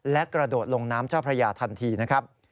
และกระโดดลงน้ำเจ้าพระยาทันทีนะครับ